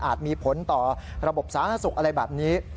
มีผลต่อระบบสาธารณสุขอะไรแบบนี้